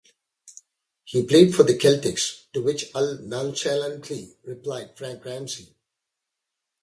He played for the Celtics", to which Al nonchalantly replied, "Frank Ramsey".